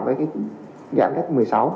với cái giãn cách một mươi sáu